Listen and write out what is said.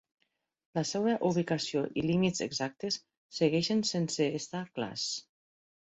La seva ubicació i límits exactes segueixen sense estar clars.